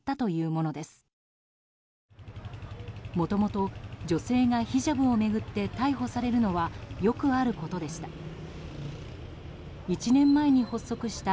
もともと女性がヒジャブを巡って逮捕されるのはよくあることでした。